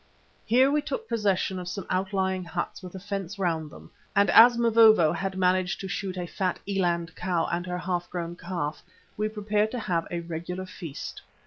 Here we took possession of some outlying huts with a fence round them, and as Mavovo had managed to shoot a fat eland cow and her half grown calf, we prepared to have a regular feast.